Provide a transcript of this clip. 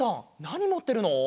なにもってるの？